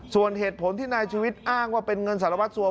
ส่วนเหตุผลที่นายชุวิตอ้างว่าเป็นเงินสารวัตรสัว